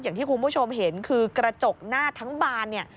อย่างที่คุณผู้ชมเห็นคือกระจกหน้าทั้งบานเนี่ย